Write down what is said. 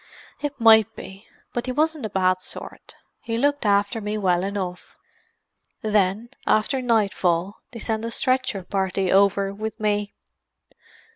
"It might be. But he wasn't a bad sort. He looked after me well enough. Then, after nightfall, they sent a stretcher party over with me.